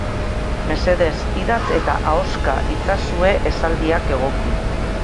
Mesedez, idatz eta ahoska itzazue esaldiak egoki.